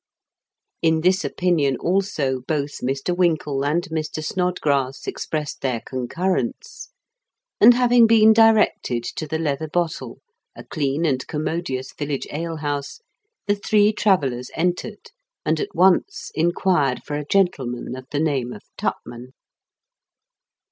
"In this opinion also both Mr. Winkle and Mr. Snodgrass expressed their concur rence; and having been directed to The Leather Bottle, a clean and commodious vil lage ale house, the three travellers entered, and at once inquired for a gentleman of the name of Tupman."